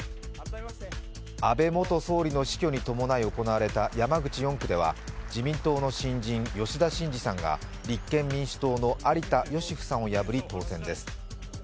安倍元総理の死去に伴い行われた山口４区では自民党の新人・吉田真次さんが立憲民主党の有田芳生さんを破り当選です。